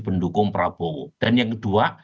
pendukung prabowo dan yang kedua